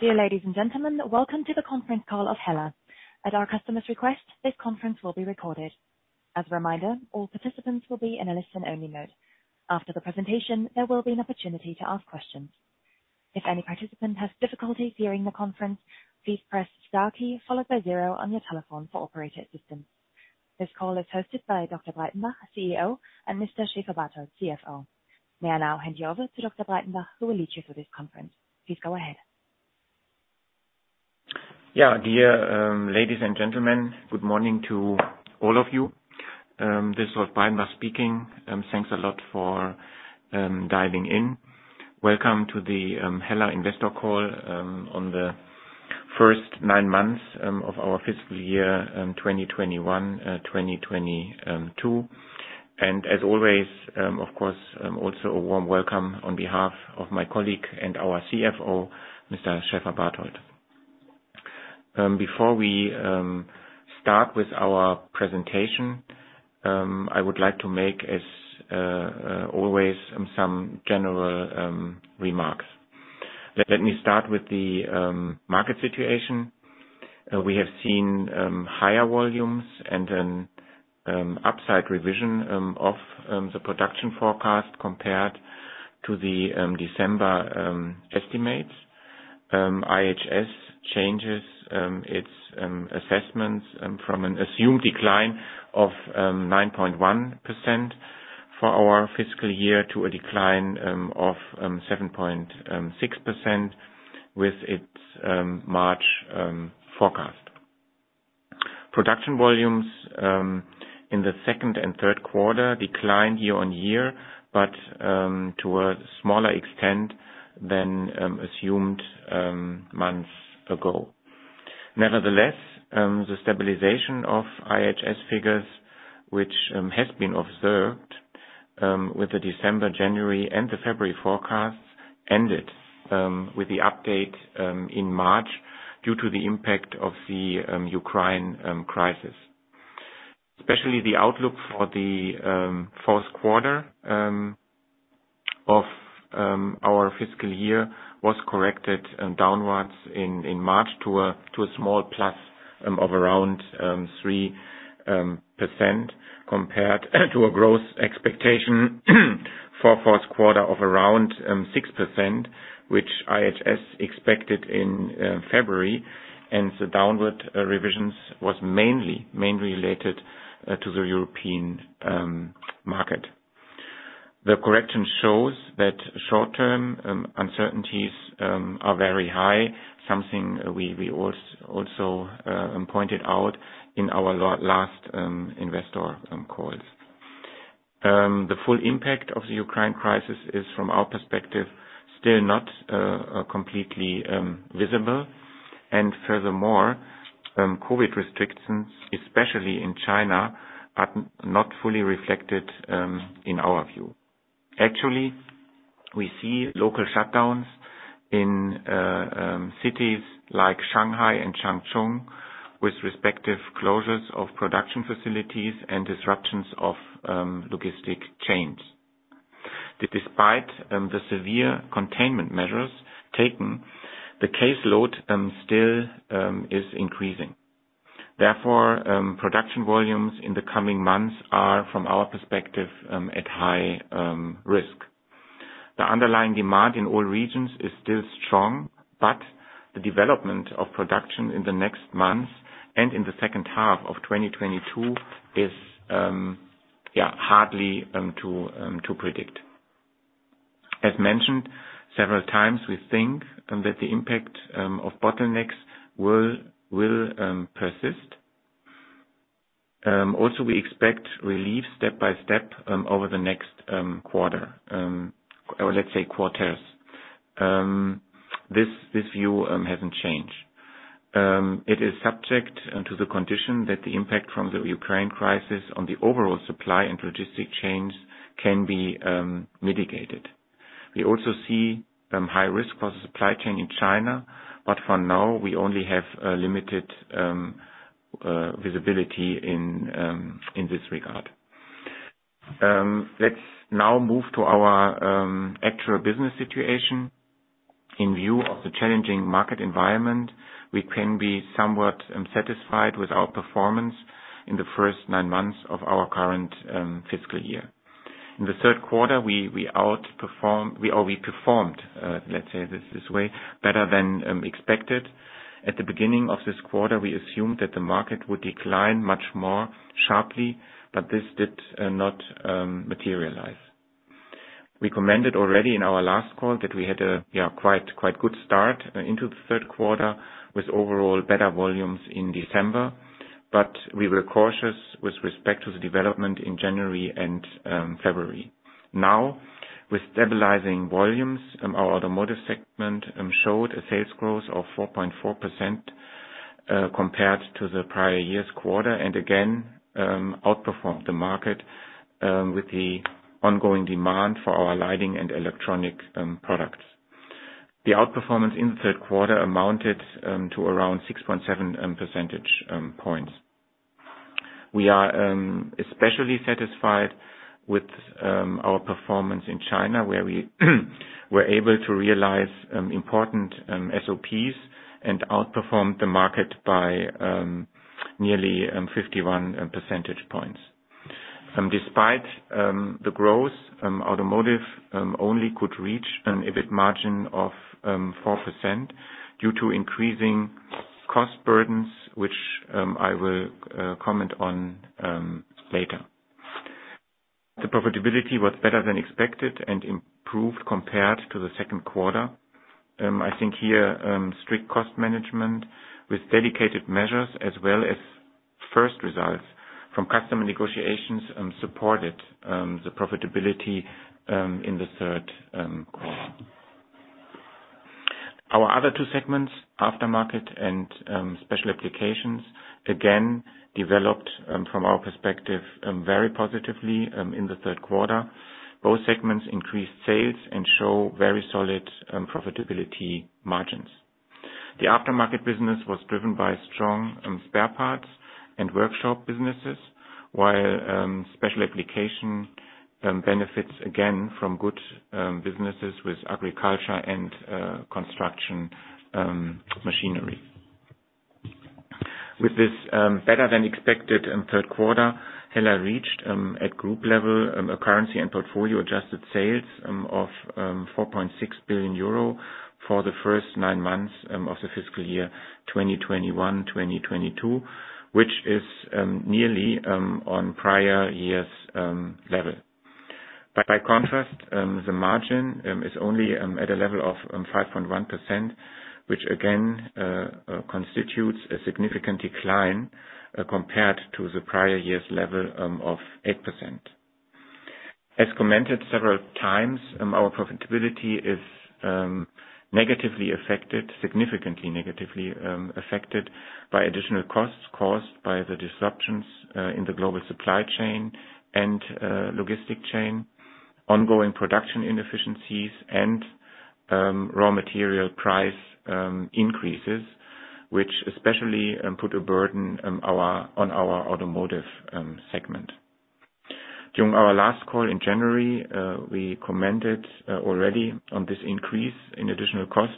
Dear ladies and gentlemen, welcome to the conference call of HELLA. At our customer's request, this conference will be recorded. As a reminder, all participants will be in a listen-only mode. After the presentation, there will be an opportunity to ask questions. If any participant has difficulty hearing the conference, please press star key followed by zero on your telephone for operator assistance. This call is hosted by Dr. Breidenbach, CEO, and Mr. Schäferbarthold, CFO. May I now hand you over to Dr. Breidenbach, who will lead you through this conference. Please go ahead. Yeah. Dear ladies and gentlemen, good morning to all of you. This is Breidenbach speaking, and thanks a lot for dialing in. Welcome to the HELLA investor call on the first nine months of our fiscal year 2021/2022. As always, of course, also a warm welcome on behalf of my colleague and our CFO, Mr. Schäferbarthold. Before we start with our presentation, I would like to make, as always, some general remarks. Let me start with the market situation. We have seen higher volumes and an upside revision of the production forecast compared to the December estimates. IHS changed its assessments from an assumed decline of 9.1% for our fiscal year to a decline of 7.6% with its March forecast. Production volumes in the second and third quarter declined year-on-year, but to a smaller extent than assumed months ago. Nevertheless, the stabilization of IHS figures, which has been observed with the December, January, and the February forecasts ended with the update in March due to the impact of the Ukraine crisis. Especially the outlook for the fourth quarter of our fiscal year was corrected downwards in March to a small plus of around 3% compared to a growth expectation for fourth quarter of around 6%, which IHS expected in February. The downward revision was mainly related to the European market. The correction shows that short-term uncertainties are very high, something we also pointed out in our last investor calls. The full impact of the Ukraine crisis is, from our perspective, still not completely visible. Furthermore, COVID restrictions, especially in China, are not fully reflected in our view. Actually, we see local shutdowns in cities like Shanghai and Chongqing, with respective closures of production facilities and disruptions of logistics chains. Despite the severe containment measures taken, the caseload still is increasing. Therefore, production volumes in the coming months are, from our perspective, at high risk. The underlying demand in all regions is still strong, but the development of production in the next months and in the second half of 2022 is hardly to predict. As mentioned several times, we think that the impact of bottlenecks will persist. Also, we expect relief step by step over the next quarter or let's say quarters. This view hasn't changed. It is subject to the condition that the impact from the Ukraine crisis on the overall supply and logistics chains can be mitigated. We also see high risk for the supply chain in China, but for now we only have limited visibility in this regard. Let's now move to our actual business situation. In view of the challenging market environment, we can be somewhat satisfied with our performance in the first nine months of our current fiscal year. In the third quarter, we outperformed or we performed, let's say this way, better than expected. At the beginning of this quarter, we assumed that the market would decline much more sharply, but this did not materialize. We commented already in our last call that we had a quite good start into the third quarter with overall better volumes in December, but we were cautious with respect to the development in January and February. Now, with stabilizing volumes, our Automotive segment showed a sales growth of 4.4% compared to the prior year's quarter and again outperformed the market with the ongoing demand for our lighting and electronics products. The outperformance in the third quarter amounted to around 6.7 percentage points. We are especially satisfied with our performance in China, where we were able to realize important SOPs and outperformed the market by nearly 51 percentage points. Despite the growth, Automotive could only reach an EBIT margin of 4% due to increasing cost burdens, which I will comment on later. The profitability was better than expected and improved compared to the second quarter. I think here strict cost management with dedicated measures as well as first results from customer negotiations supported the profitability in the third quarter. Our other two segments, Aftermarket and Special Applications, again developed from our perspective very positively in the third quarter. Both segments increased sales and show very solid profitability margins. The Aftermarket business was driven by strong spare parts and workshop businesses, while Special Applications benefits again from good businesses with agriculture and construction machinery. With this better than expected third quarter, HELLA reached at group level a currency and portfolio-adjusted sales of 4.6 billion euro for the first nine months of the fiscal year 2021/2022, which is nearly on prior year's level. By contrast, the margin is only at a level of 5.1%, which again constitutes a significant decline compared to the prior year's level of 8%. As commented several times, our profitability is negatively affected, significantly negatively affected by additional costs caused by the disruptions in the global supply chain and logistics chain, ongoing production inefficiencies and raw material price increases, which especially put a burden on our Automotive segment. During our last call in January, we commented already on this increase in additional costs.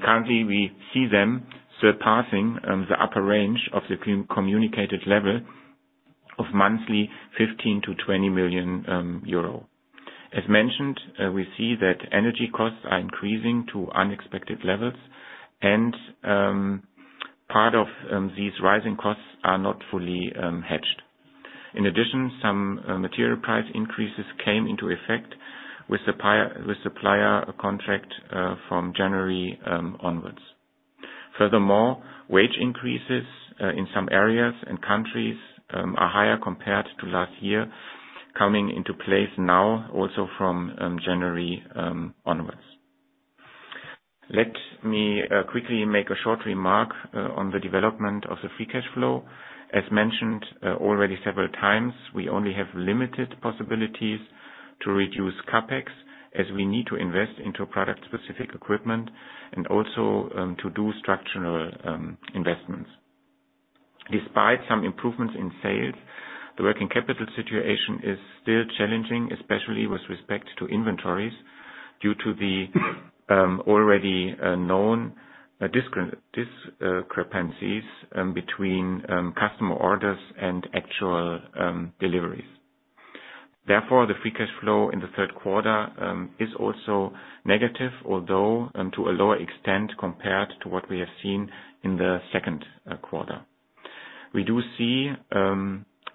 Currently, we see them surpassing the upper range of the communicated level of monthly 15 million-20 million euro. As mentioned, we see that energy costs are increasing to unexpected levels, and part of these rising costs are not fully hedged. In addition, some material price increases came into effect with supplier contracts from January onwards. Furthermore, wage increases in some areas and countries are higher compared to last year, coming into place now also from January onwards. Let me quickly make a short remark on the development of the free cash flow. As mentioned already several times, we only have limited possibilities to reduce CapEx as we need to invest into product-specific equipment and also to do structural investments. Despite some improvements in sales, the working capital situation is still challenging, especially with respect to inventories, due to the already known discrepancies between customer orders and actual deliveries. Therefore, the free cash flow in the third quarter is also negative, although to a lower extent compared to what we have seen in the second quarter. We do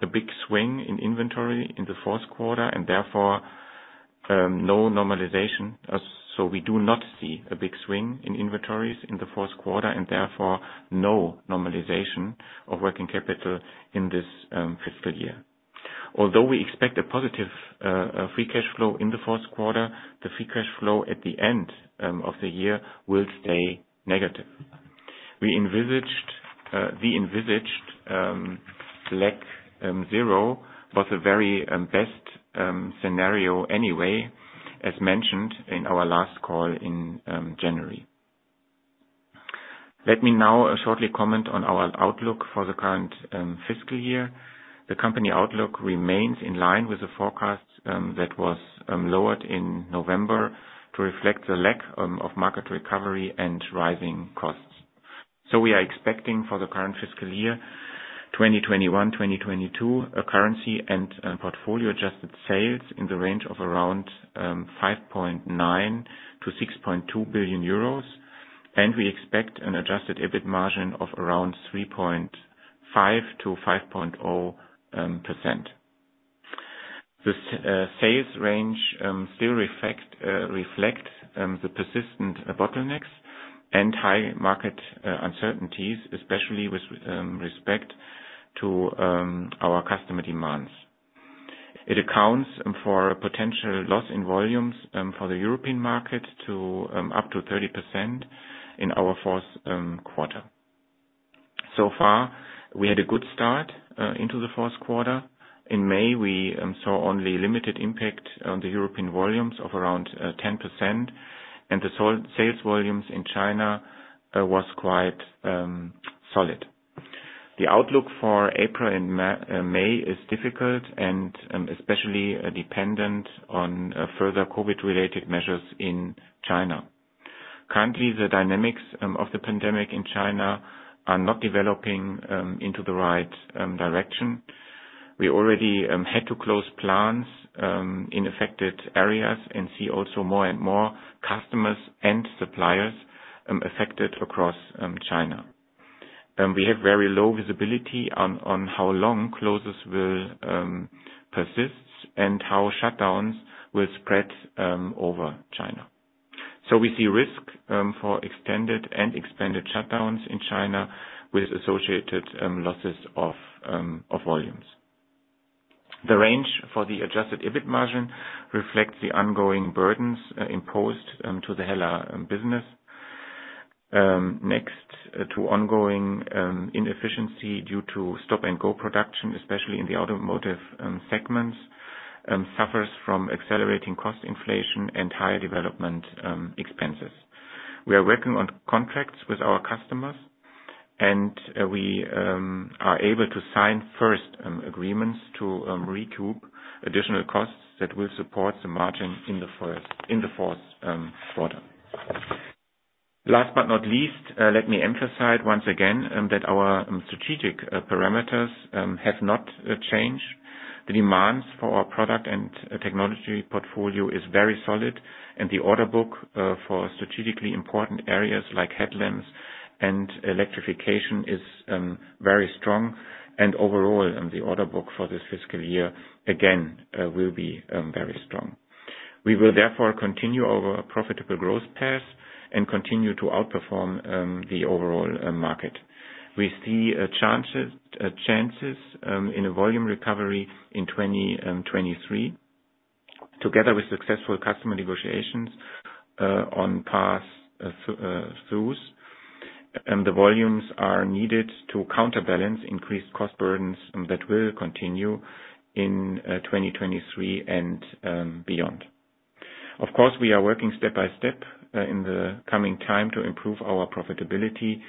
not see a big swing in inventories in the fourth quarter and therefore no normalization of working capital in this fiscal year. Although we expect a positive free cash flow in the fourth quarter, the free cash flow at the end of the year will stay negative. We envisaged the lag to zero was a very best scenario anyway, as mentioned in our last call in January. Let me now shortly comment on our outlook for the current fiscal year. The company outlook remains in line with the forecast that was lowered in November to reflect the lack of market recovery and rising costs. We are expecting for the current fiscal year 2021/2022 a currency and portfolio-adjusted sales in the range of around 5.9 billion-6.2 billion euros, and we expect an adjusted EBIT margin of around 3.5%-5.0%. The sales range still reflects the persistent bottlenecks and high market uncertainties, especially with respect to our customer demands. It accounts for potential loss in volumes for the European market of up to 30% in our fourth quarter. So far, we had a good start into the fourth quarter. In May, we saw only limited impact on the European volumes of around 10% and the sales volumes in China was quite solid. The outlook for April and May is difficult and especially dependent on further COVID related measures in China. Currently, the dynamics of the pandemic in China are not developing into the right direction. We already had to close plants in affected areas and see also more and more customers and suppliers affected across China. We have very low visibility on how long closures will persist and how shutdowns will spread over China. We see risk for extended and expanded shutdowns in China with associated losses of volumes. The range for the adjusted EBIT margin reflects the ongoing burdens imposed to the HELLA business. Next to ongoing inefficiency due to stop-and-go production, especially in the Automotive segments, suffers from accelerating cost inflation and higher development expenses. We are working on contracts with our customers, and we are able to sign first agreements to recoup additional costs that will support the margin in the fourth quarter. Last but not least, let me emphasize once again that our strategic parameters have not changed. The demands for our product and technology portfolio is very solid, and the order book for strategically important areas like headlamps and electrification is very strong. Overall, the order book for this fiscal year, again, will be very strong. We will therefore continue our profitable growth path and continue to outperform the overall market. We see chances in a volume recovery in 2023, together with successful customer negotiations on pass-throughs. The volumes are needed to counterbalance increased cost burdens that will continue in 2023 and beyond. Of course, we are working step by step in the coming time to improve our profitability,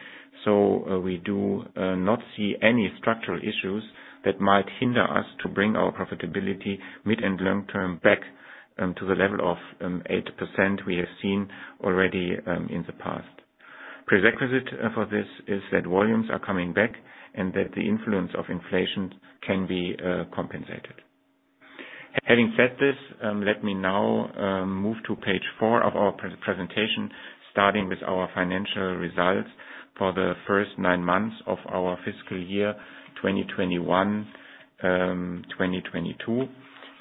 so we do not see any structural issues that might hinder us to bring our profitability mid and long term back to the level of 8% we have seen already in the past. Prerequisite for this is that volumes are coming back and that the influence of inflation can be compensated. Having said this, let me now move to page four of our presentation, starting with our financial results for the first nine months of our fiscal year 2021/2022.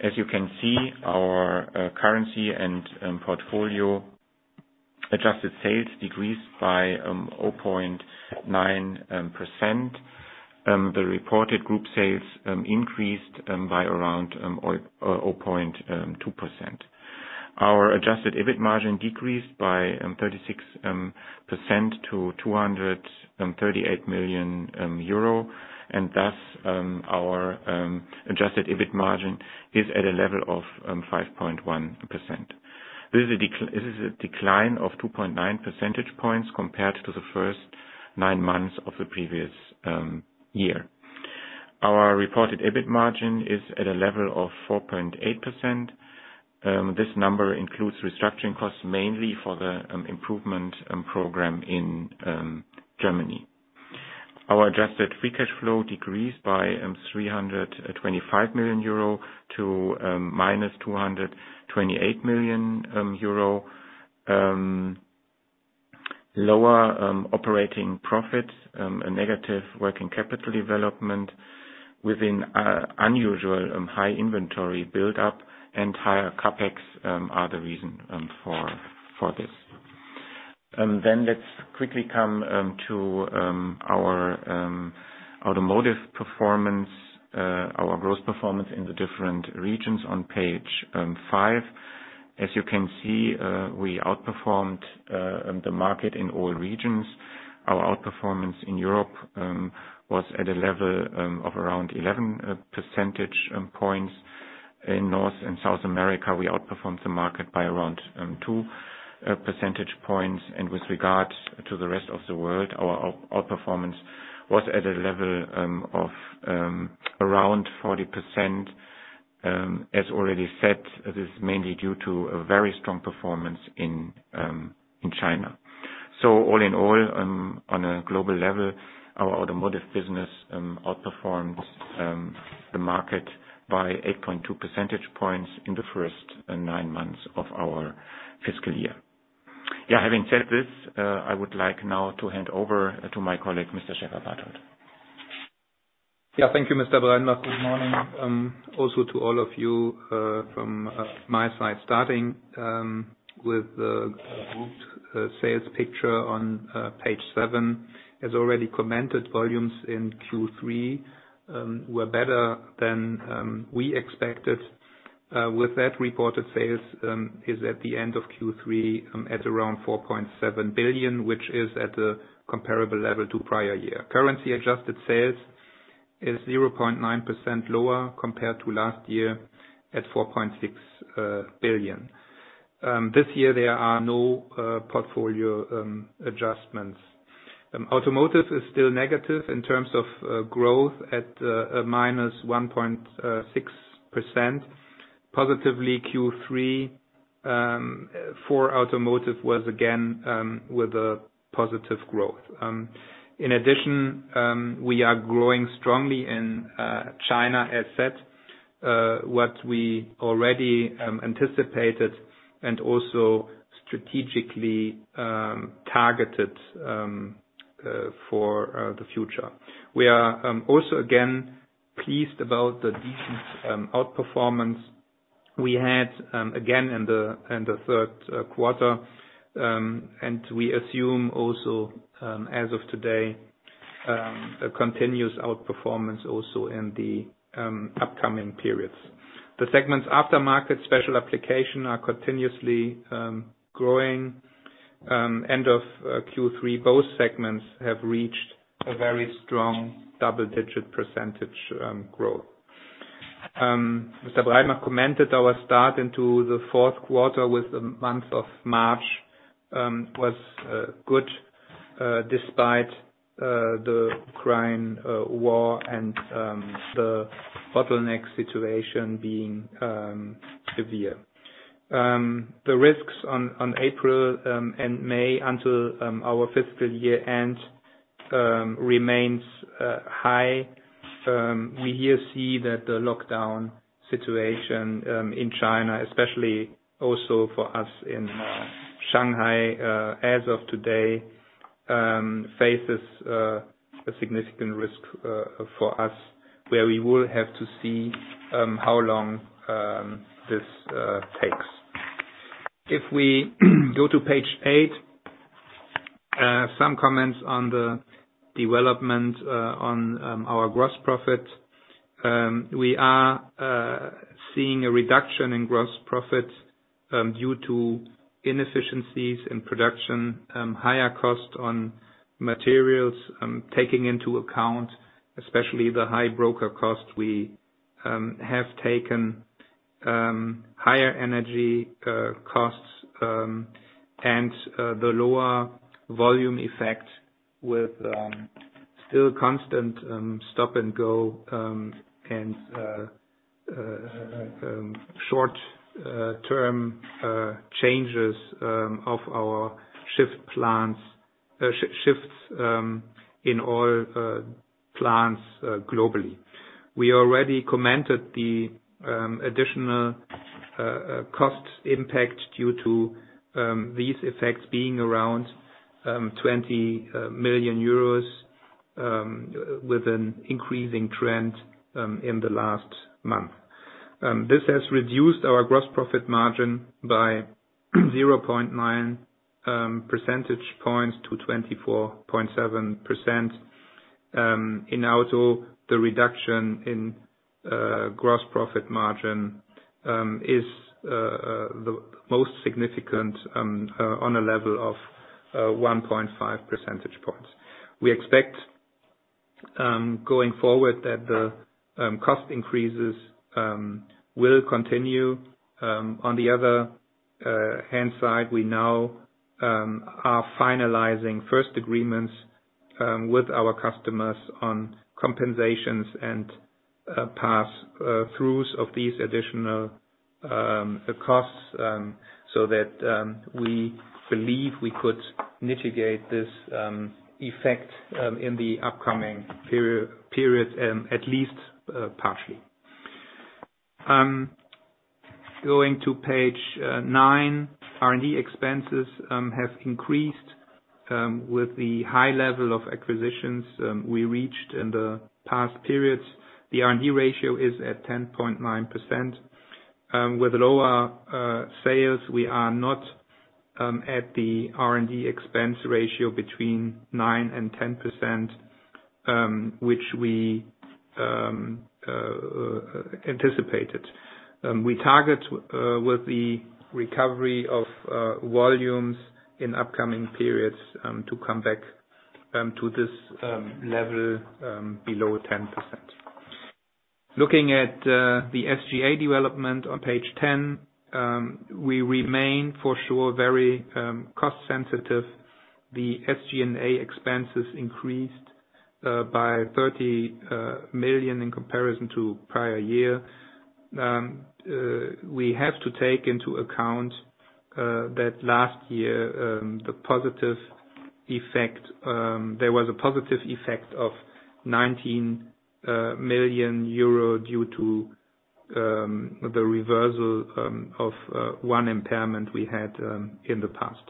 As you can see, our currency and portfolio adjusted sales decreased by 0.9%. The reported group sales increased by around 0.2%. Our adjusted EBIT decreased by 36% to 238 million euro. Thus, our adjusted EBIT margin is at a level of 5.1%. This is a decline of 2.9 percentage points compared to the first nine months of the previous year. Our reported EBIT margin is at a level of 4.8%. This number includes restructuring costs, mainly for the improvement program in Germany. Our adjusted free cash flow decreased by 325 million euro to -228 million euro. Lower operating profits, a negative working capital development within unusual high inventory build-up and higher CapEx are the reason for this. Let's quickly come to our Automotive segment performance, our growth performance in the different regions on page five. As you can see, we outperformed the market in all regions. Our outperformance in Europe was at a level of around 11 percentage points. In North and South America, we outperformed the market by around 2 percentage points. With regard to the rest of the world, our outperformance was at a level of around 40%. As already said, it is mainly due to a very strong performance in China. All in all, on a global level, our Automotive business outperformed the market by 8.2 percentage points in the first nine months of our fiscal year. Yeah. Having said this, I would like now to hand over to my colleague, Mr. Schäferbarthold. Yeah. Thank you, Mr. Breidenbach. Good morning, also to all of you, from my side. Starting with the group sales picture on page seven. As already commented, volumes in Q3 were better than we expected. With that, reported sales is at the end of Q3 at around 4.7 billion, which is at a comparable level to prior year. Currency-adjusted sales is 0.9% lower compared to last year, at 4.6 billion. This year there are no portfolio adjustments. Automotive is still negative in terms of growth at a -1.6%. Positively Q3 for Automotive segment was again with a positive growth. In addition, we are growing strongly in China as expected, what we already anticipated and also strategically targeted for the future. We are also again pleased about the decent outperformance we had again in the third quarter. We assume also, as of today, a continuous outperformance also in the upcoming periods. The segments Aftermarket and Special Applications are continuously growing. At the end of Q3, both segments have reached a very strong double-digit percentage growth. Mr. Breidenbach commented on our start into the fourth quarter with the month of March was good despite the Ukraine war and the bottleneck situation being severe. The risks in April and May until our fiscal year-end remains high. We here see that the lockdown situation in China, especially also for us in Shanghai, as of today, faces a significant risk for us, where we will have to see how long this takes. If we go to page eight, some comments on the development on our gross profit. We are seeing a reduction in gross profit due to inefficiencies in production, higher cost on materials, taking into account especially the high broker costs we have taken, higher energy costs, and the lower volume effect with still constant stop and go and short term changes of our shift plans, shifts, in all plants globally. We already commented on the additional cost impact due to these effects being around 20 million euros with an increasing trend in the last month. This has reduced our gross profit margin by 0.9 percentage points to 24.7%. In auto, the reduction in gross profit margin is the most significant on a level of 1.5 percentage points. We expect going forward that the cost increases will continue. On the other hand, we now are finalizing first agreements with our customers on compensations and pass-throughs of these additional costs so that we believe we could mitigate this effect in the upcoming period at least partially. Going to page nine. R&D expenses have increased with the high level of acquisitions we reached in the past periods. The R&D ratio is at 10.9%. With lower sales, we are not at the R&D expense ratio between 9%-10%, which we anticipated. We target with the recovery of volumes in upcoming periods to come back to this level below 10%. Looking at the SG&A development on page 10, we remain for sure very cost sensitive. The SG&A expenses increased by 30 million in comparison to prior year. We have to take into account that last year there was a positive effect of 19 million euro due to the reversal of one impairment we had in the past.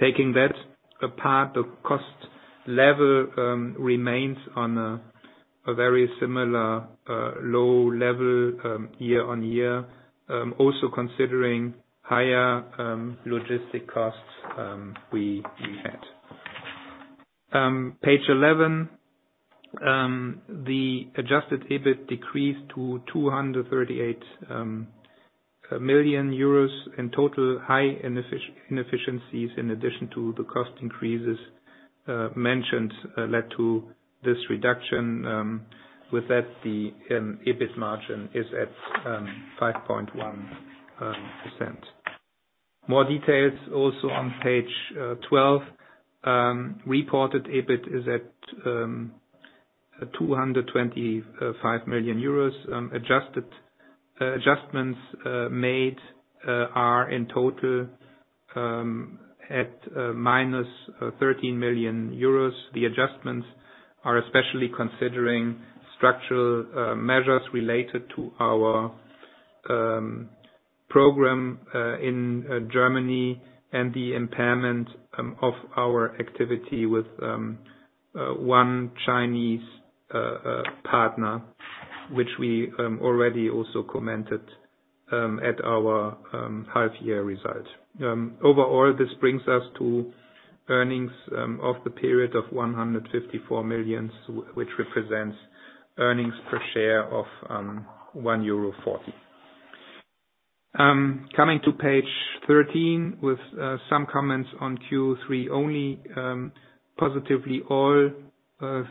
Taking that apart, the cost level remains on a very similar low level year-on-year, also considering higher logistic costs we had. Page 11, the adjusted EBIT decreased to 238 million euros in total. High inefficiencies in addition to the cost increases mentioned led to this reduction, with that, the EBIT margin is at 5.1%. More details also on page 12. Reported EBIT is at 225 million euros. Adjustments made are in total at -13 million euros. The adjustments are especially considering structural measures related to our program in Germany and the impairment of our activity with one Chinese partner, which we already also commented at our half-year result. Overall, this brings us to earnings of the period of 154 million, which represents earnings per share of 1.40 euro. Coming to page 13 with some comments on Q3 only, positively all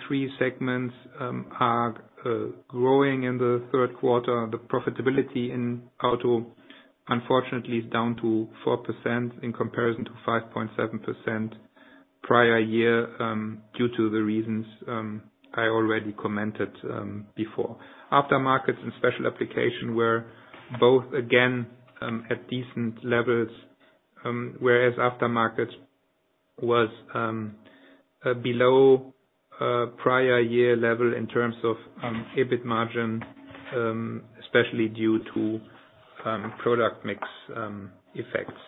three segments are growing in the third quarter. The profitability in Automotive segment, unfortunately, is down to 4% in comparison to 5.7% prior year, due to the reasons I already commented before. Aftermarket and Special Applications segments were both again at decent levels, whereas Aftermarket was below prior year level in terms of EBIT margin, especially due to product mix effects.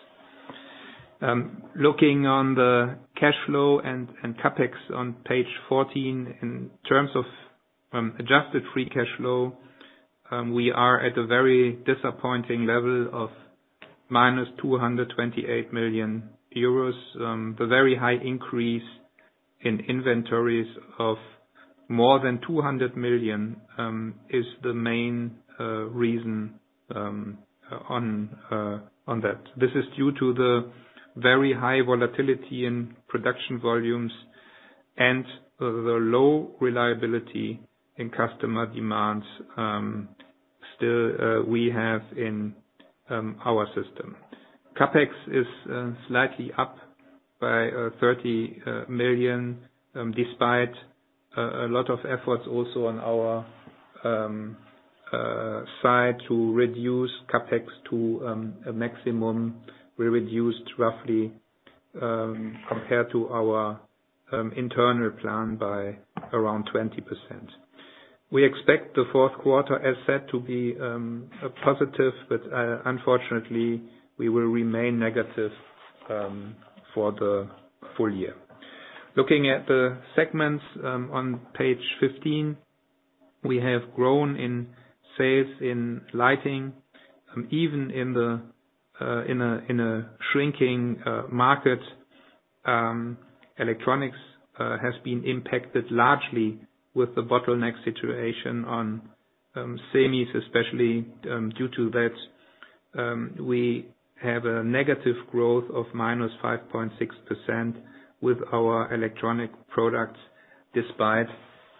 Looking on the cash flow and CapEx on page 14, in terms of adjusted free cash flow, we are at a very disappointing level of -228 million euros. The very high increase in inventories of more than 200 million is the main reason on that. This is due to the very high volatility in production volumes and the low reliability in customer demands, still, we have in our system. CapEx is slightly up by 30 million, despite a lot of efforts also on our side to reduce CapEx to a maximum. We reduced it roughly compared to our internal plan by around 20%. We expect the fourth quarter, as said, to be a positive, but unfortunately we will remain negative for the full year. Looking at the segments, on page 15, we have grown in sales in lighting category even in a shrinking market. Electronics has been impacted largely with the bottleneck situation on semis especially, due to that, we have a negative growth of -5.6% with our electronic products, despite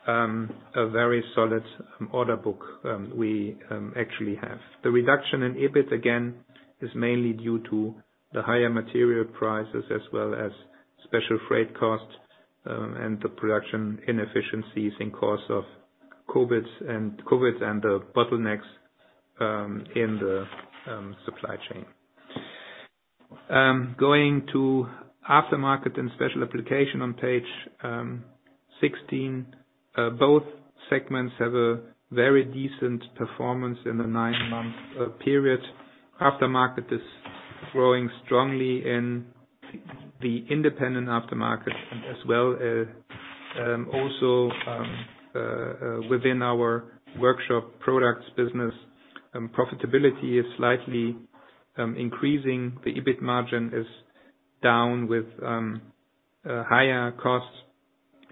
a very solid order book, we actually have. The reduction in EBIT, again, is mainly due to the higher material prices as well as special freight costs, and the production inefficiencies in course of COVID and the bottlenecks in the supply chain. Going to Aftermarket and Special Applications on page 16, both segments have a very decent performance in the nine-month period. Aftermarket is growing strongly in the independent aftermarket as well. Also, within our workshop products business, profitability is slightly increasing. The EBIT margin is down with higher cost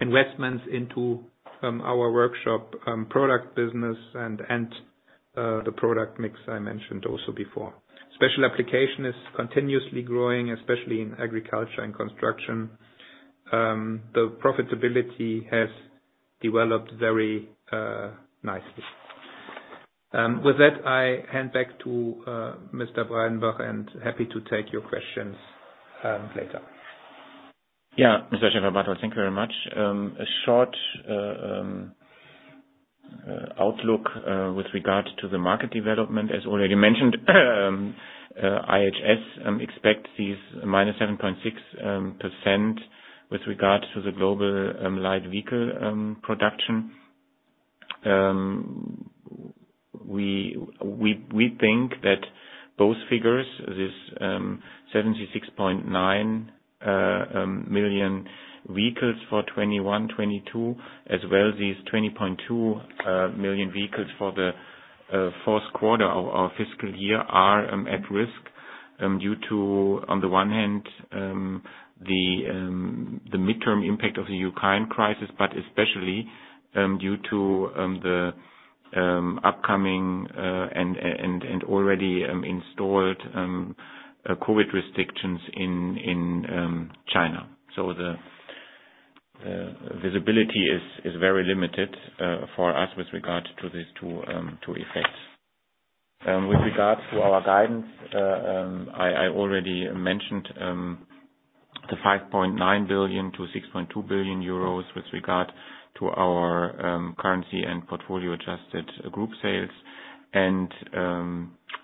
investments into our workshop product business and the product mix I mentioned also before. Special Applications is continuously growing, especially in agriculture and construction. The profitability has developed very nicely. With that, I hand back to Mr. Breidenbach, and happy to take your questions, later. Yeah. Mr. Schäferbarthold, thank you very much. A short outlook with regard to the market development. As already mentioned, IHS expect a -7.6% with regards to the global light vehicle production. We think that both figures, this 76.9 million vehicles for 2021/2022, as well as these 20.2 million vehicles for the fourth quarter of our fiscal year are at risk. Due to, on the one hand, the medium-term impact of the Ukraine crisis, but especially due to the upcoming and already installed COVID restrictions in China. The visibility is very limited for us with regard to these two effects. With regards to our guidance, I already mentioned the 5.9 billion-6.2 billion euros with regard to our currency and portfolio adjusted group sales and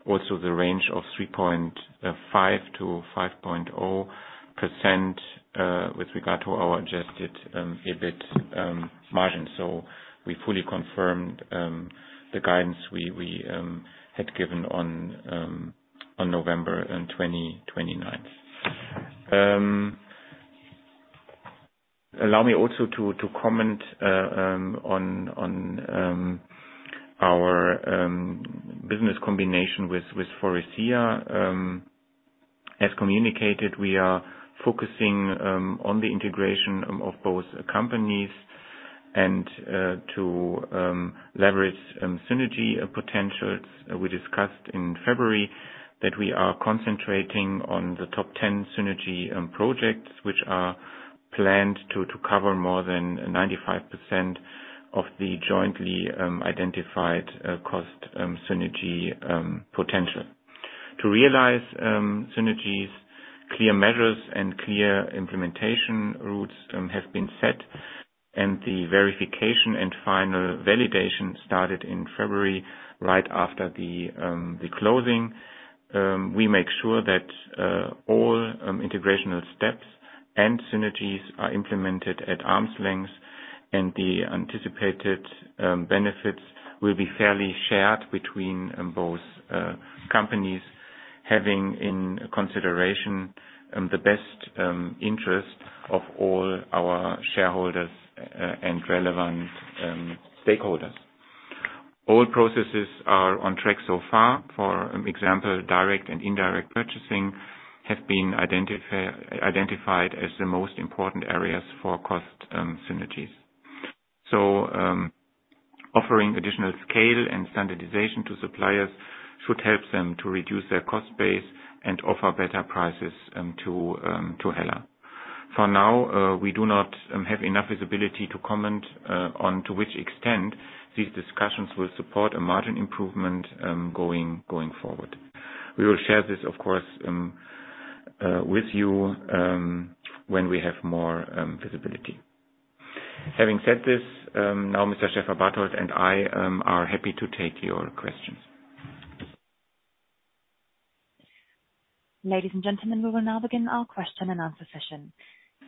also the range of 3.5%-5.0% with regard to our adjusted EBIT margin. We fully confirmed the guidance we had given on November 29. Allow me also to comment on our business combination with Faurecia. As communicated, we are focusing on the integration of both companies and to leverage synergy potentials. We discussed in February that we are concentrating on the top 10 synergy projects, which are planned to cover more than 95% of the jointly identified cost synergy potential. To realize synergies, clear measures and clear implementation routes have been set, and the verification and final validation started in February, right after the closing. We make sure that all integrational steps and synergies are implemented at arm's length, and the anticipated benefits will be fairly shared between both companies, having in consideration the best interest of all our shareholders and relevant stakeholders. All processes are on track so far. For example, direct and indirect purchasing have been identified as the most important areas for cost synergies. Offering additional scale and standardization to suppliers should help them to reduce their cost base and offer better prices to HELLA. For now, we do not have enough visibility to comment on to which extent these discussions will support a margin improvement going forward. We will share this, of course, with you when we have more visibility. Having said this, now Mr. Schäferbarthold and I are happy to take your questions. Ladies and gentlemen, we will now begin our question-and-answer session.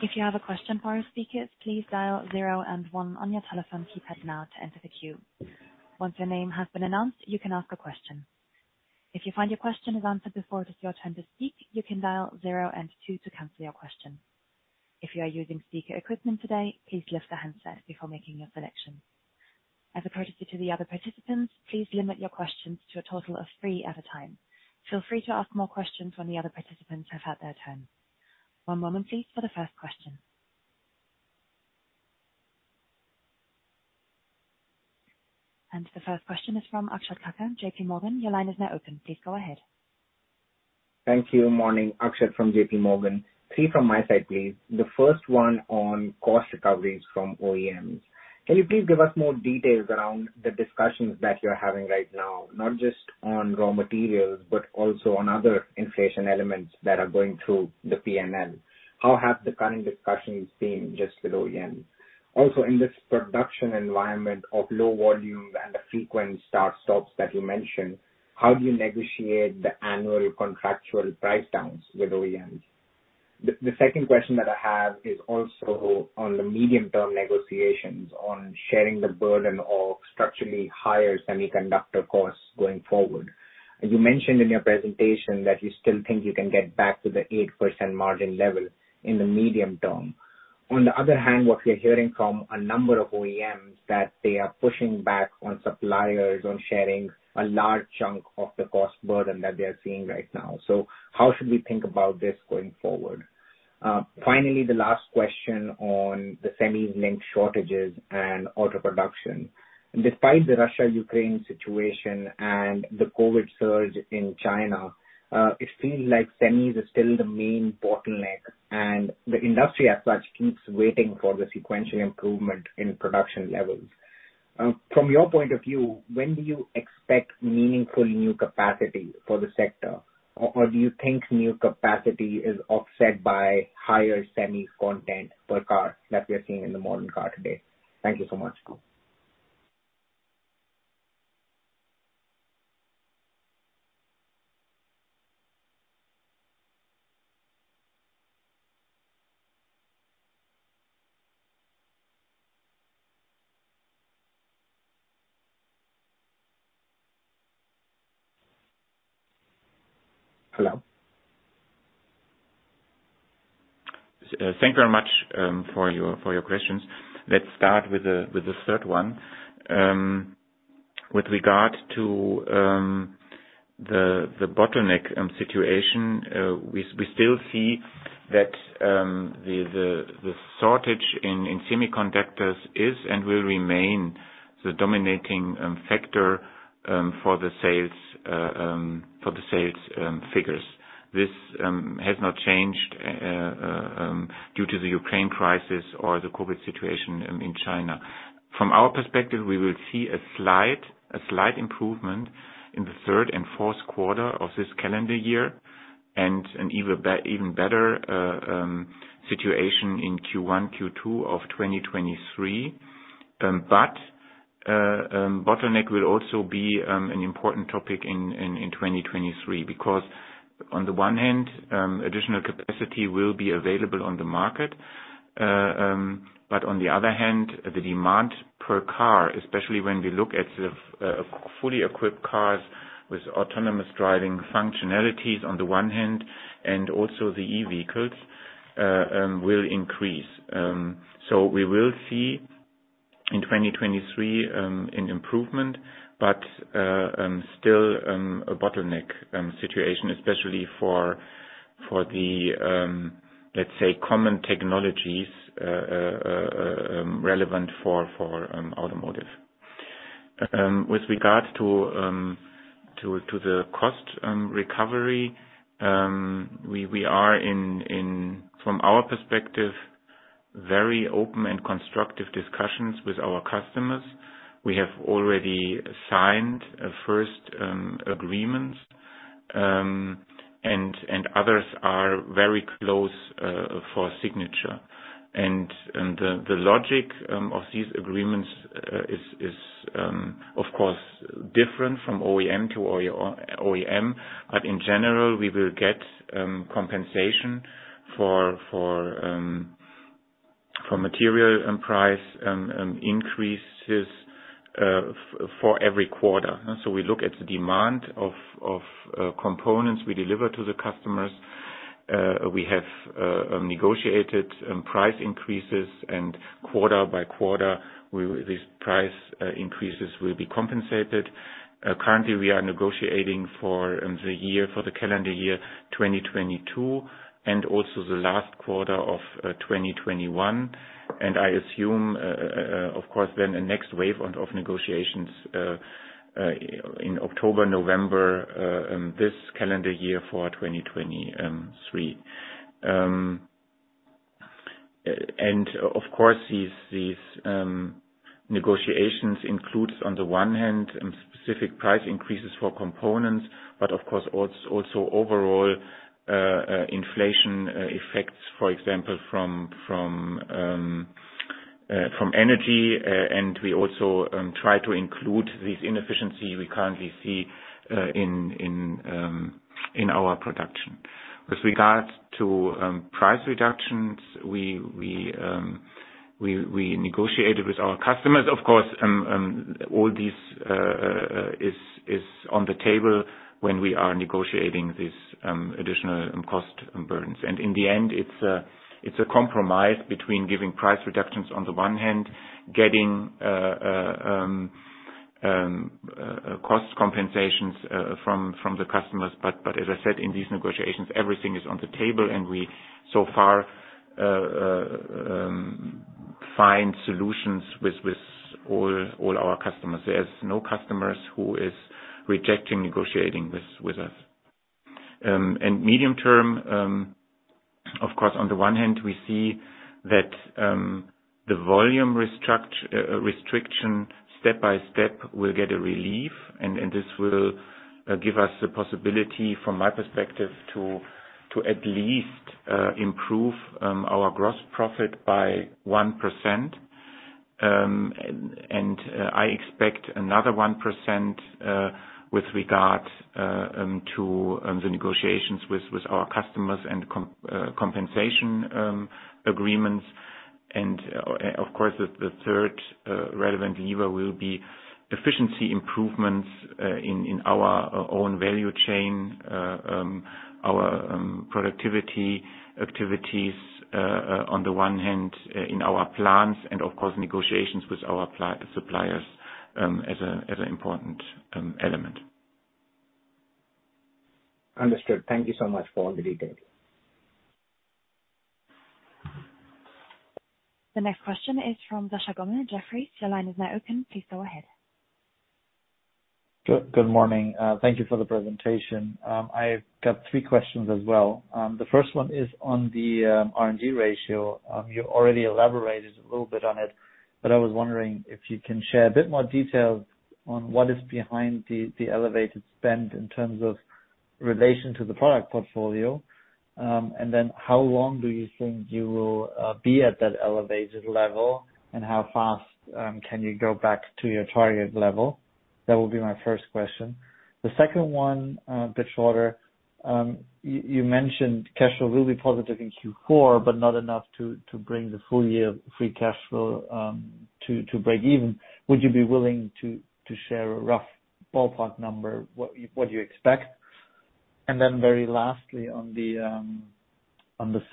If you have a question for our speakers, please dial zero and one on your telephone keypad now to enter the queue. Once your name has been announced, you can ask a question. If you find your question is answered before it is your turn to speak, you can dial zero and two to cancel your question. If you are using speaker equipment today, please lift the handset before making your selection. As a courtesy to the other participants, please limit your questions to a total of three at a time. Feel free to ask more questions when the other participants have had their turn. One moment, please, for the first question. The first question is from Akshat Kacker, JPMorgan. Your line is now open. Please go ahead. Thank you. Morning, Akshat Kacker from JPMorgan. Three from my side, please. The first one on cost recoveries from OEMs. Can you please give us more details around the discussions that you're having right now, not just on raw materials, but also on other inflation elements that are going through the P&L? How have the current discussions been with the OEMs? Also, in this production environment of low volume and the frequent start-stops that you mentioned, how do you negotiate the annual contractual price downs with OEMs? The second question that I have is also on the medium-term negotiations on sharing the burden of structurally higher semiconductor costs going forward. You mentioned in your presentation that you still think you can get back to the 8% margin level in the medium term. On the other hand, what we're hearing from a number of OEMs that they are pushing back on suppliers on sharing a large chunk of the cost burden that they're seeing right now. How should we think about this going forward? Finally, the last question on the semis chip shortages and auto production. Despite the Russia-Ukraine situation and the COVID surge in China, it feels like semis is still the main bottleneck, and the industry as such keeps waiting for the sequential improvement in production levels. From your point of view, when do you expect meaningful new capacity for the sector? Or do you think new capacity is offset by higher semis content per car that we are seeing in the modern car today? Thank you so much. Thank you very much for your questions. Let's start with the third one. With regard to the bottleneck situation, we still see that the shortage in semiconductors is and will remain the dominating factor for the sales figures. This has not changed due to the Ukraine crisis or the COVID situation in China. From our perspective, we will see a slight improvement in the third and fourth quarter of this calendar year, and an even better situation in Q1, Q2 of 2023. Bottleneck will also be an important topic in 2023, because on the one hand, additional capacity will be available on the market, but on the other hand, the demand per car, especially when we look at the fully equipped cars with autonomous driving functionalities on the one hand, and also the e-vehicles will increase. We will see in 2023 an improvement, but still a bottleneck situation, especially for the let's say common technologies relevant for automotive. With regards to the cost recovery, we are in, from our perspective, very open and constructive discussions with our customers. We have already signed first agreements and others are very close for signature. The logic of these agreements is of course different from OEM to OEM, but in general, we will get compensation for material and price increases for every quarter. We look at the demand of components we deliver to the customers. We have negotiated price increases, and quarter by quarter, these price increases will be compensated. Currently we are negotiating for the year, for the calendar year 2022 and also the last quarter of 2021. I assume of course then a next wave of negotiations in October, November, this calendar year for 2023. Of course, these negotiations include, on the one hand, specific price increases for components, but of course, also overall inflation effects, for example, from energy, and we also try to include this inefficiency we currently see in our production. With regards to price reductions, we negotiated with our customers, of course, all these is on the table when we are negotiating this additional cost burdens. In the end, it's a compromise between giving price reductions on the one hand, getting cost compensations from the customers. As I said, in these negotiations, everything is on the table and we so far find solutions with all our customers. There are no customers who is rejecting negotiating with us. Medium term, of course, on the one hand, we see that the volume restriction step by step will get a relief, and this will give us the possibility from my perspective to at least improve our gross profit by 1%. I expect another 1% with regard to the negotiations with our customers and compensation agreements. Of course, the third relevant lever will be efficiency improvements in our own value chain, our productivity activities on the one hand in our plants and of course, negotiations with our suppliers, as an important element. Understood. Thank you so much for all the details. The next question is from Sascha Gommel, Jefferies. Your line is now open. Please go ahead. Good morning. Thank you for the presentation. I've got three questions as well. The first one is on the R&D ratio. You already elaborated a little bit on it, but I was wondering if you can share a bit more details on what is behind the elevated spend in terms of relation to the product portfolio. And then how long do you think you will be at that elevated level, and how fast can you go back to your target level? That would be my first question. The second one, a bit shorter. You mentioned cash flow will be positive in Q4, but not enough to bring the full year free cash flow to break even. Would you be willing to share a rough ballpark number what you expect? Then very lastly on the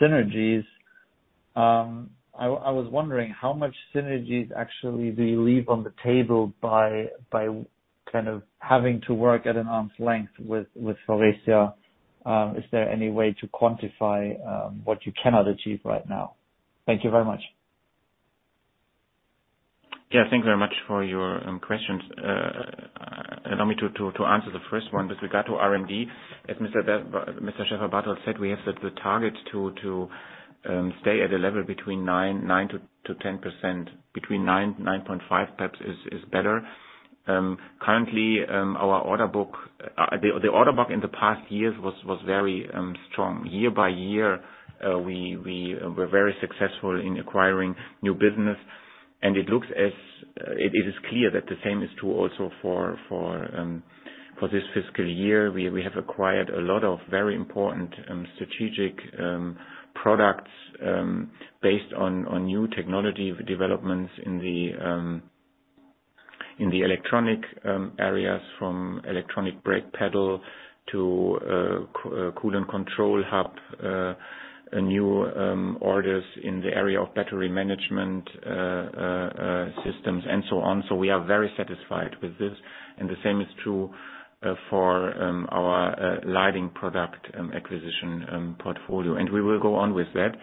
synergies. I was wondering how much synergies actually do you leave on the table by kind of having to work at an arm's length with Faurecia? Is there any way to quantify what you cannot achieve right now? Thank you very much. Yeah, thank you very much for your questions. Allow me to answer the first one. With regard to R&D, as Mr. Schäferbarthold said, we have set the target to stay at a level between 9%-10%. Between 9.5% perhaps is better. Currently, our order book in the past years was very strong. Year by year, we were very successful in acquiring new business, and it is clear that the same is true also for this fiscal year. We have acquired a lot of very important strategic products based on new technology developments in the electronic areas, from electronic brake pedal to coolant control hub. New orders in the area of battery management systems and so on. We are very satisfied with this, and the same is true for our lighting product acquisition portfolio. We will go on with that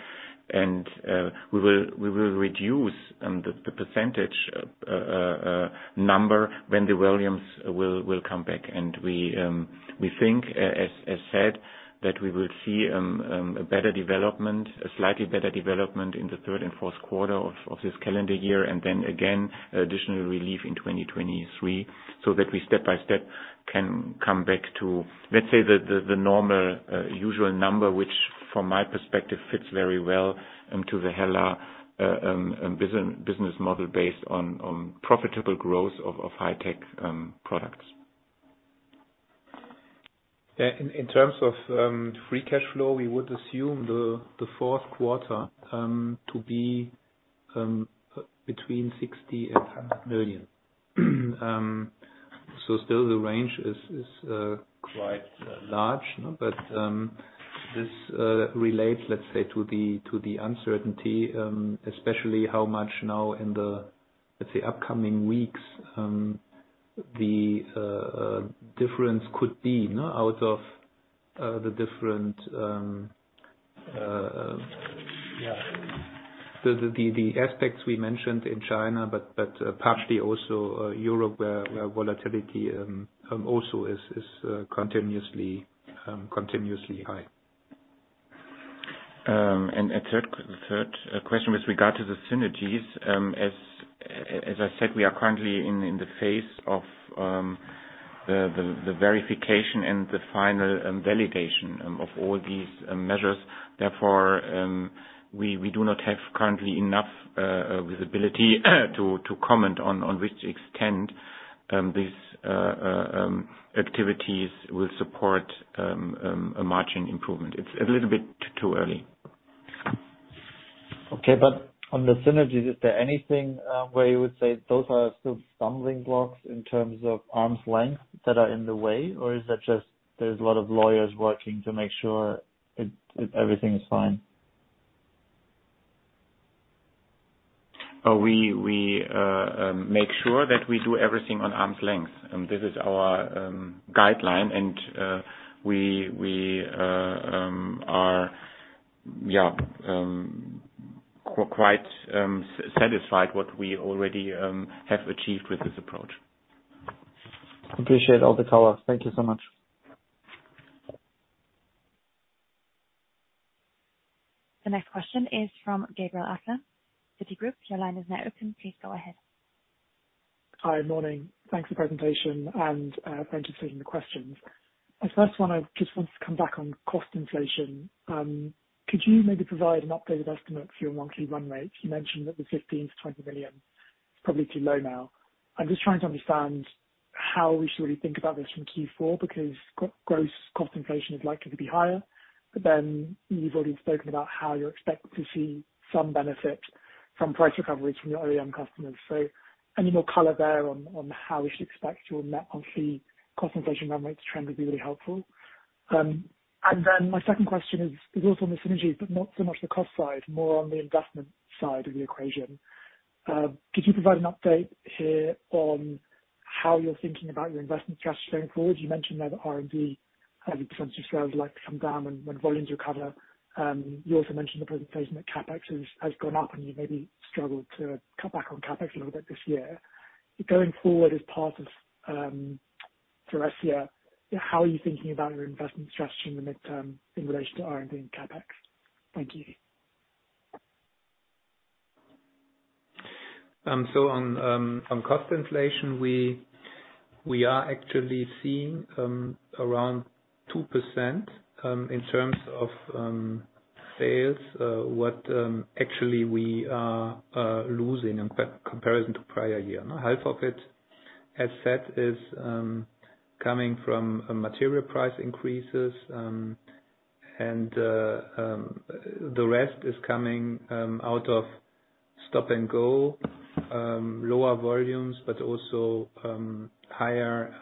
and we will reduce the percentage number when the volumes will come back. We think, as said, that we will see a better development, a slightly better development in the third and fourth quarter of this calendar year, and then again, additional relief in 2023, so that we step by step can come back to, let's say, the normal usual number, which from my perspective fits very well into the HELLA business model based on profitable growth of high-tech products. Yeah. In terms of free cash flow, we would assume the fourth quarter to be between 60 million-100 million. So still the range is quite large, but this relates, let's say, to the uncertainty, especially how much now in the, let's say, upcoming weeks, the difference could be, you know, out of the different aspects we mentioned in China, but partially also Europe, where volatility also is continuously high. The third question with regard to the synergies. As I said, we are currently in the phase of the verification and the final validation of all these measures. Therefore, we do not have currently enough visibility to comment on what extent these activities will support a margin improvement. It's a little bit too early. Okay. On the synergies, is there anything where you would say those are still stumbling blocks in terms of arm's length that are in the way, or is that just there's a lot of lawyers working to make sure it everything is fine? We make sure that we do everything on arm's length, and this is our guideline. We are quite satisfied with what we already have achieved with this approach. Appreciate all the color. Thank you so much. The next question is from Gabriel Adler, Citigroup. Your line is now open. Please go ahead. Hi. Morning. Thanks for presentation and for anticipating the questions. The first one, I just wanted to come back on cost inflation. Could you maybe provide an updated estimate for your monthly run rates? You mentioned that the 15 million-20 million is probably too low now. I'm just trying to understand how we should really think about this from Q4, because gross cost inflation is likely to be higher. You've already spoken about how you expect to see some benefit from price recovery from your OEM customers. Any more color there on how we should expect your net, obviously, cost inflation run rates trend would be really helpful. My second question is also on the synergies, but not so much the cost side, more on the investment side of the equation. Could you provide an update here on how you're thinking about your investment cash going forward? You mentioned there that R&D as a percentage of sales is likely to come down when volumes recover. You also mentioned the presentation that CapEx has gone up and you maybe struggled to cut back on CapEx a little bit this year. Going forward, as part of Faurecia, how are you thinking about your investment strategy in the midterm in relation to R&D and CapEx? Thank you. On cost inflation, we are actually seeing around 2% in terms of sales, what actually we are losing in comparison to prior year. Half of it, as said, is coming from material price increases, and the rest is coming out of stop-and-go lower volumes, but also higher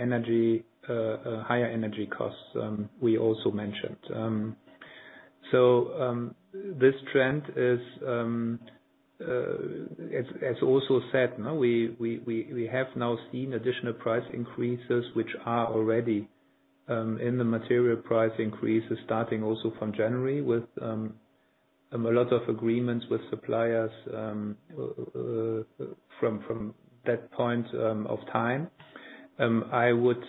energy costs, we also mentioned. This trend is, as also said, now we have seen additional price increases which are already in the material price increases starting also from January with a lot of agreements with suppliers from that point of time. I would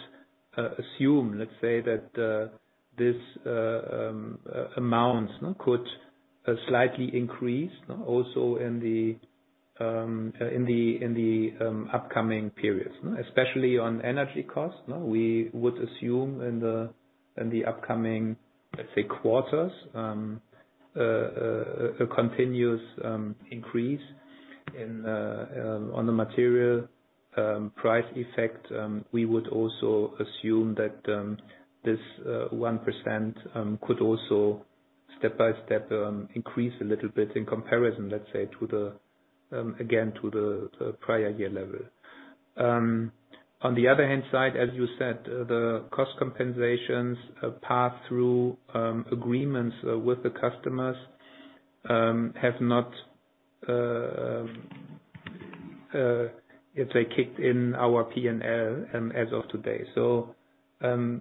assume, let's say that, this amount could slightly increase also in the upcoming periods, especially on energy costs. Now, we would assume in the upcoming, let's say, quarters, a continuous increase in the material price effect. We would also assume that this 1% could also step by step increase a little bit in comparison, let's say, to the prior year level. On the other hand side, as you said, the cost compensations path through agreements with the customers have not, let's say, kicked in our P&L as of today.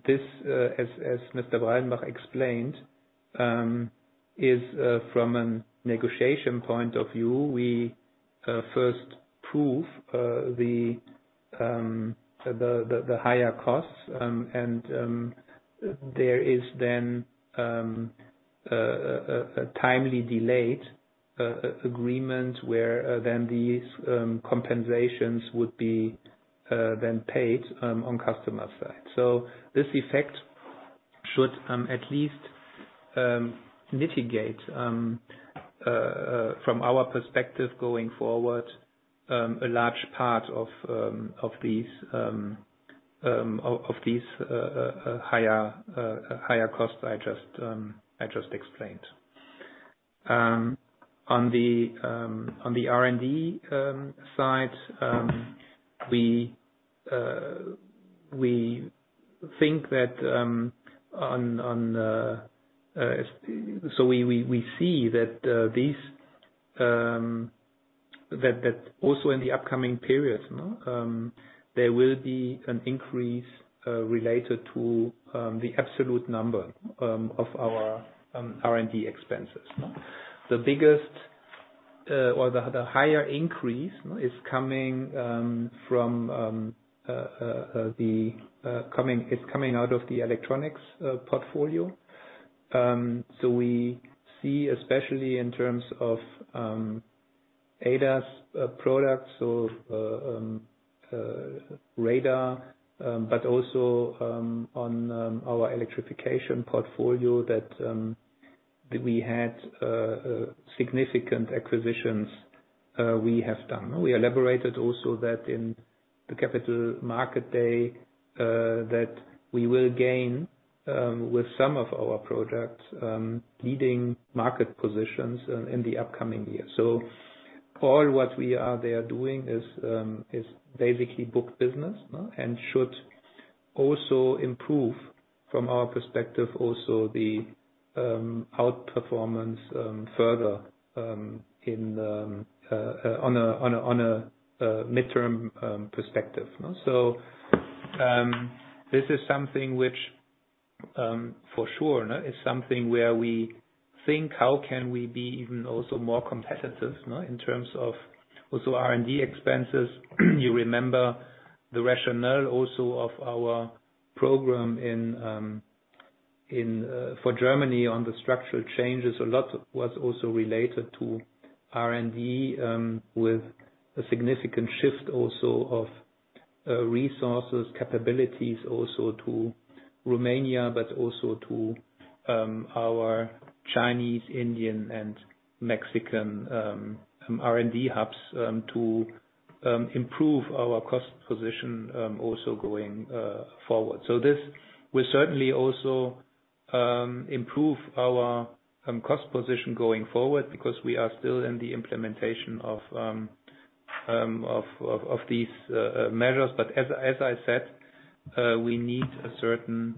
This as Mr. Breidenbach explained from a negotiation point of view, we first prove the higher costs and there is then a timely delayed agreement where these compensations would be paid on customer side. This effect should at least mitigate from our perspective going forward a large part of these higher costs I just explained. On the R&D side, we think that we see that also in the upcoming periods there will be an increase related to the absolute number of our R&D expenses. The biggest or the higher increase is coming from the electronics portfolio. We see especially in terms of ADAS products or radar, but also on our electrification portfolio that we had significant acquisitions we have done. We elaborated also that in the Capital Markets Day that we will gain with some of our products leading market positions in the upcoming year. All what we are there doing is basically book business, and should also improve from our perspective the outperformance further on a midterm perspective. This is something which, for sure, is something where we think, how can we be even also more competitive, you know, in terms of also R&D expenses. You remember the rationale also of our program in for Germany on the structural changes. A lot was also related to R&D, with a significant shift also of resources, capabilities, also to Romania, but also to our Chinese, Indian and Mexican R&D hubs, to improve our cost position, also going forward. This will certainly also improve our cost position going forward because we are still in the implementation of these measures. As I said, we need a certain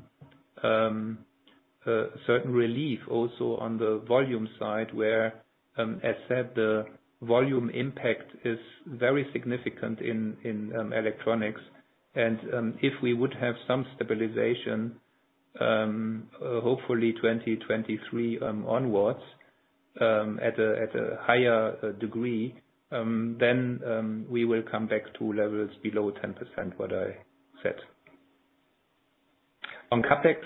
relief also on the volume side, where as said, the volume impact is very significant in electronics. If we would have some stabilization, hopefully 2023 onwards, at a higher degree, then we will come back to levels below 10% what I said. On CapEx,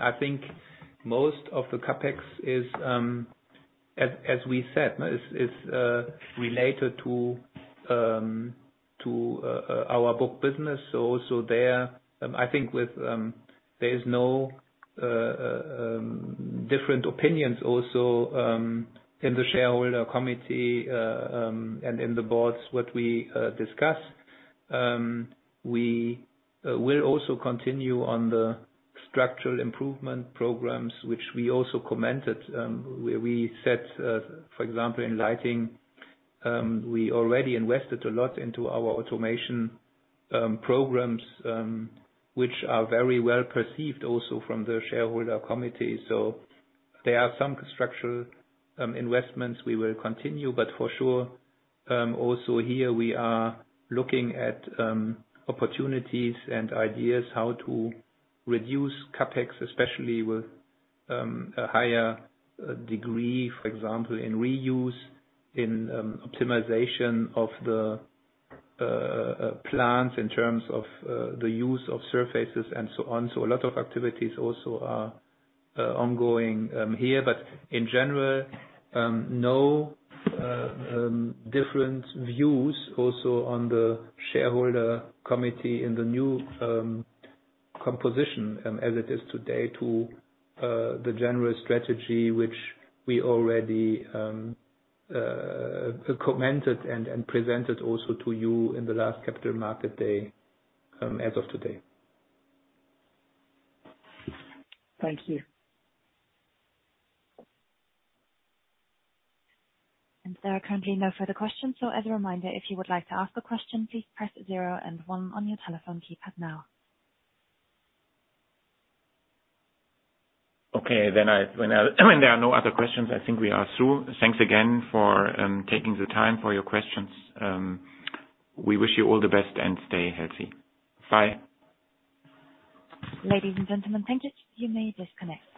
I think most of the CapEx is, as we said, related to our core business. Also there, I think there is no different opinions also in the shareholder committee and in the boards what we discuss. We will also continue on the structural improvement programs which we also commented, where we said, for example, in the lighting, we already invested a lot into our automation programs, which are very well perceived also from the shareholder committee. There are some structural investments we will continue, but for sure, also here we are looking at opportunities and ideas how to reduce CapEx, especially with a higher degree, for example, in reuse, in optimization of the plants in terms of the use of surfaces and so on. A lot of activities also are ongoing here, but in general no different views also on the shareholder committee in the new composition as it is today to the general strategy which we already commented and presented also to you in the last Capital Markets Day as of today. Thank you. There are currently no further questions. As a reminder, if you would like to ask a question, please press zero and one on your telephone keypad now. Okay, when there are no other questions, I think we are through. Thanks again for taking the time for your questions. We wish you all the best and stay healthy. Bye. Ladies and gentlemen, thank you. You may disconnect.